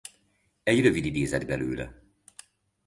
Egy rövid idézet belőle.